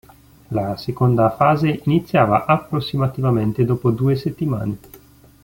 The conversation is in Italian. La seconda fase iniziava approssimativamente dopo due settimane.